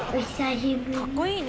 かっこいいね！